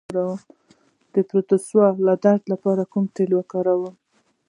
د پروستات د درد لپاره کوم تېل وکاروم؟